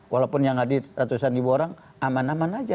walaupun yang hadir ratusan ribu orang aman aman aja